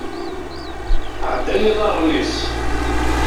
Ɛeddan iḍarren-is.